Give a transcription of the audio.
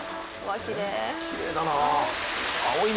きれいだな。